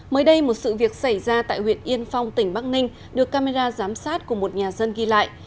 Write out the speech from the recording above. mới đây một sự việc xảy ra tại huyện yên phong tỉnh bắc ninh được camera giám sát của một nhà dân ghi lại